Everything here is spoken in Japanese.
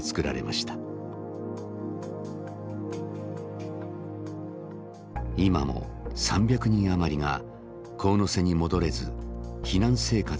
今も３００人余りが神瀬に戻れず避難生活を強いられています。